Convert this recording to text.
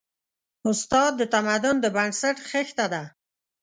استاد د تمدن د بنسټ خښته ده.